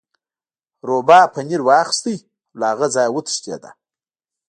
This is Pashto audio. روباه پنیر واخیست او له هغه ځایه وتښتید.